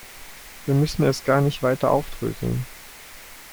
Wir müssen es gar nicht weiter aufdröseln.